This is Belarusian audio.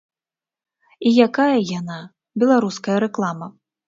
І якая яна, беларуская рэклама?